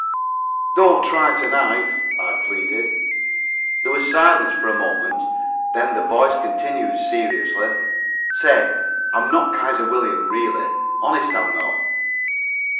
"Don't try to to night," I pleaded. There was silence for a moment, then the voice continued seriously, "Say, I'm not Kaiser William really. Honest I'm not."